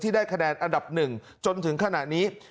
ได้คะแนนอันดับหนึ่งจนถึงขณะนี้